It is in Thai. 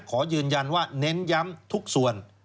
ขอยืนยันว่าเน้นย้ำทุกส่วน